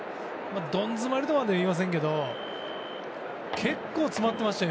どん詰まりとまでは言いませんけども結構、詰まってましたよ